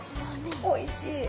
おいしい。